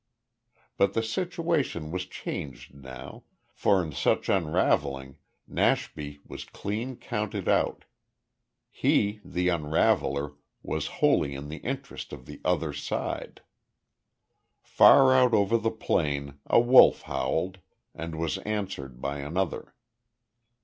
But the situation was changed now, for in such unravelling Nashby was clean counted out. He, the unraveller, was wholly in the interest of the other side. Far out over the plain a wolf howled, and was answered by another.